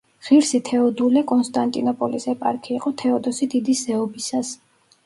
ღირსი თეოდულე კონსტანტინოპოლის ეპარქი იყო თეოდოსი დიდის ზეობისას.